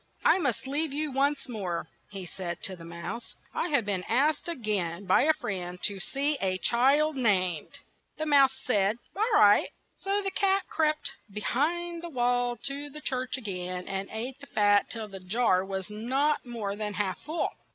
"I must leave you once more," he said to the mouse. "I have been asked a gain by a friend to see a child named." The mouse said "All right," so the cat crept be hind the wall to the church a gain, and ate the fat till the jar was not more than half full.